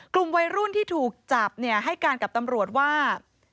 กลุ่มวัยรุ่นที่ถูกจับให้การกับตำรวจว่า